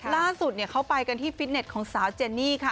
ล่าสุดเขาไปกันที่ฟิตเน็ตของสาวเจนนี่ค่ะ